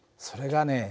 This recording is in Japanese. それがね